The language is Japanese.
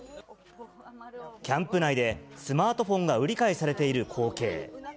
キャンプ内でスマートフォンが売り買いされている光景。